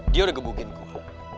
dia udah gabungin gue